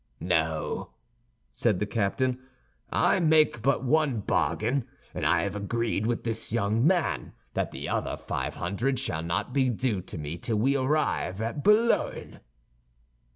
"No," said the captain, "I make but one bargain; and I have agreed with this young man that the other five hundred shall not be due to me till we arrive at Boulogne."